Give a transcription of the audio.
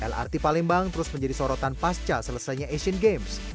lrt palembang terus menjadi sorotan pasca selesainya asian games